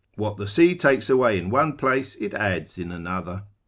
what the sea takes away in one place it adds in another.